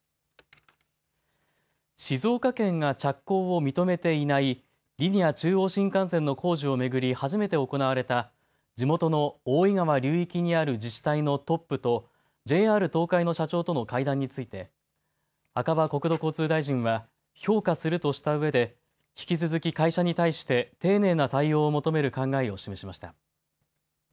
静岡県が着工を認めていないリニア中央新幹線の工事を巡り初めて行われた地元の大井川流域にある自治体のトップとＪＲ東海の社長との会談について赤羽国土交通大臣は評価するとしたうえで引き続き会社に対して丁寧な対応を求める考えを示しました。